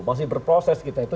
masih berproses kita itu